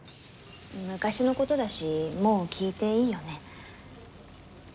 昔の事だしもう聞いていいよね？